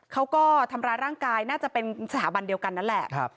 เขาก็ทำร้ายร่างกายน่าจะเป็นสถาบันเดียวกันนั่นแหละ